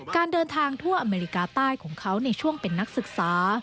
การเดินทางทั่วอเมริกาใต้ของเขาในช่วงเป็นนักศึกษา